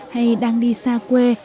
hay đang đi xa quê